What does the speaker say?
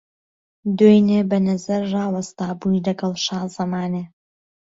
دوێنێ به نەزەر ڕاوهستا بووی دهگهڵ شازهمانێ